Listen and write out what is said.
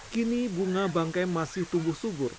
kini bunga bangkai masih tumbuh subur